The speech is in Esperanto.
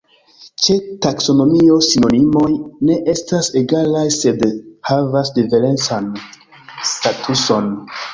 Ĉe taksonomio sinonimoj ne estas egalaj, sed havas diferencan statuson.